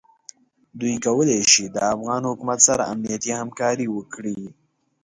دوی کولای شي د افغان حکومت سره امنیتي همکاري وکړي.